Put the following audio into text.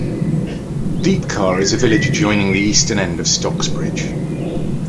Deepcar is a village adjoining the eastern end of Stocksbridge.